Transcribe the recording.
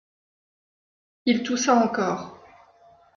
Il toussa encore.